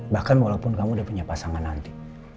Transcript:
bahkan walaupun kamu udah punya pasangan nanti